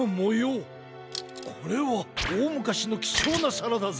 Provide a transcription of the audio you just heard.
これはおおむかしのきちょうなさらだぜ。